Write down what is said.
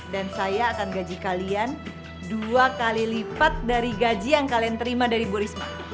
dan saya akan gaji kalian dua kali lipat dari gaji yang kalian terima dari bu risma